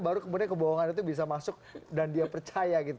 baru kemudian kebohongan itu bisa masuk dan dia percaya gitu